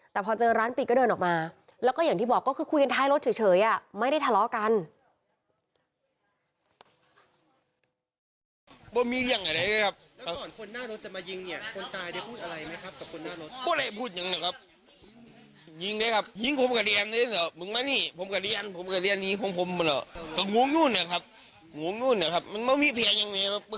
แต่พอเจอร้านปิดก็เดินออกมาแล้วก็อย่างที่บอกก็คือคุยกันท้ายรถเฉยไม่ได้ทะเลาะกัน